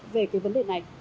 về cái vấn đề này